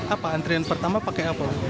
apa antrian pertama pakai apa